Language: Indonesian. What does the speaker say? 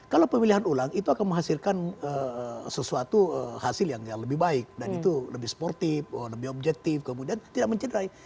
kalau pemilihan ulang itu akan menghasilkan sesuatu hasil yang lebih baik dan itu lebih sportif lebih objektif kemudian tidak mencederai